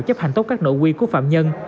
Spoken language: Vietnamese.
chấp hành tốt các nội quy của phạm nhân